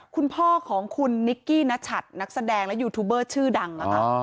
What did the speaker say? คุณพ่อของคุณนิกกี้นัชัดนักแสดงและยูทูบเบอร์ชื่อดัง